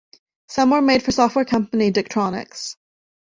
Some were made for software company dk'tronics.